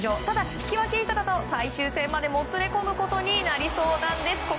ただ、引き分け以下だと最終戦までもつれ込むことになりそうです。